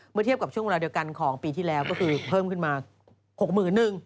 เทียบกับช่วงเวลาเดียวกันของปีที่แล้วก็คือเพิ่มขึ้นมา๖๑๐๐